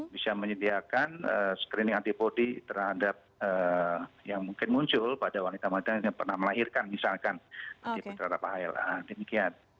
bisa menyediakan screening antibody terhadap yang mungkin muncul pada wanita wanita yang pernah melahirkan misalkan terhadap hla demikian